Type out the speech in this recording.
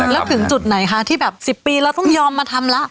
แล้วถึงจุดไหนคะที่แบบสิบปีแล้วต้องยอมมาทำแล้ว